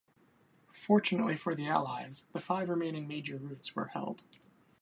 Fortunately for the Allies, the five remaining major routes were held.